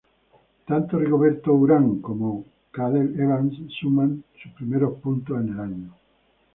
Tanto Rigoberto Urán como Cadel Evans suman sus primeros puntos en el año.